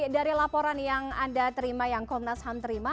dari laporan yang anda terima yang komnas ham terima